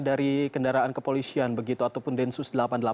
dari kendaraan kepolisian begitu ataupun densus delapan puluh delapan